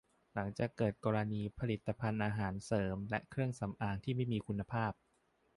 หลังจากเกิดกรณีผลิตภัณฑ์อาหารเสริมและเครื่องสำอางที่ไม่มีคุณภาพ